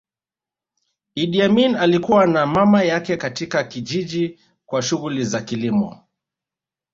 Idi Amin alikua na mama yake katika kijijini kwa shughuli za kilimo